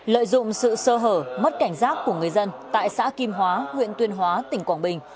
lợi dụng sự sơ hở mất cảnh giác của người dân tại xã kim hóa huyện tuyên hóa tỉnh quảng bình